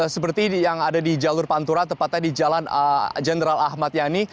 seperti yang ada di jalur pantura tepatnya di jalan jenderal ahmad yani